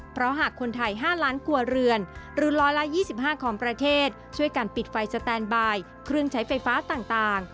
เพราะหากคนไทย๕ล้านก